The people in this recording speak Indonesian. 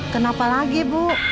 kenapa lagi bu